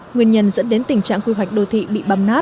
nguyên nhân dẫn đến tình trạng quy hoạch đô thị bị bầm nát